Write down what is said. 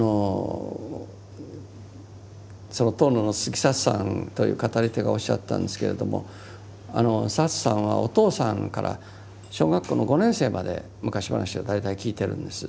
その遠野の鈴木サツさんという語り手がおっしゃったんですけれどもサツさんはお父さんから小学校の５年生まで昔話を大体聞いてるんです。